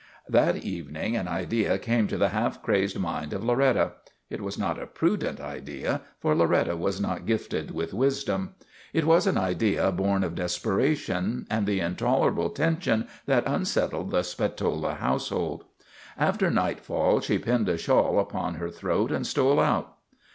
That evening an idea came to the half crazed mind of Loretta. It was not a prudent idea, for Loretta was not gifted with wisdom. It was an idea born of desperation and the intolerable tension that un 82 MADNESS OF ANTONY SPATOLA settled the Spatola household. After nightfall she pinned a shawl about her throat and stole out.